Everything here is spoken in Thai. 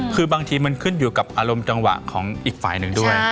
คือบางทีมันขึ้นอยู่กับอารมณ์จังหวะของอีกฝ่ายหนึ่งด้วย